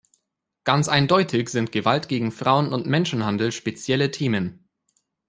Ganz eindeutig sind Gewalt gegen Frauen und Menschenhandel spezielle Themen.